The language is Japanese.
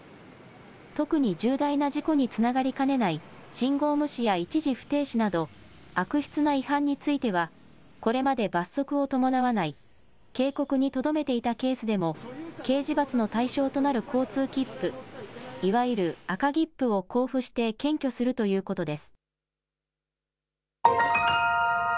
特に重大な事故につながりかねない信号無視や一時不停止など悪質な違反についてはこれまで罰則を伴わない警告にとどめていたケースでも刑事罰の対象となる交通切符、いわゆる赤切符を交付して検挙するということです。